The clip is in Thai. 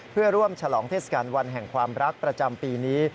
เพื่อร่วมฉลองเทศกาลวันแห่งความรักประจำปีนี้